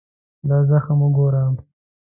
دا زخم وګوره.